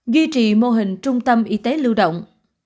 duy trì mô hình trung tâm y tế lưu động